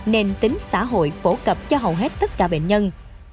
nền tính xã hội phổ cập cho hầu hết tất cả bệnh nhân